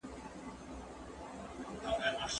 زه پرون سړو ته خواړه ورکړې،